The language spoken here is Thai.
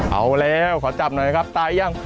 เอาแล้วขอจับหน่อยครับตายยัง